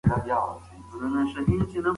کوټه له پخوا څخه بدله ښکاري.